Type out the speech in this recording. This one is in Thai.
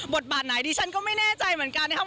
บทบาทไหนดิฉันก็ไม่แน่ใจเหมือนกันนะครับ